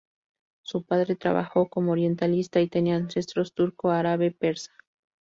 Su padre trabajó como orientalista, y tenía ancestros turco-árabe-persa.